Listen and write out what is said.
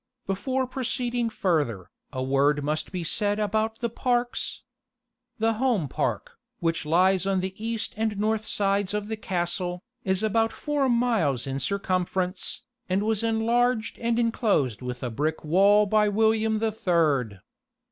Before proceeding further, a word must be said about the parks. The home park, which lies on the east and north sides of the castle, is about four miles in circumference, and was enlarged and enclosed with a brick wall by William the Third.